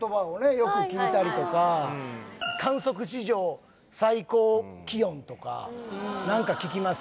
よく聞いたりとか観測史上最高気温とか何か聞きます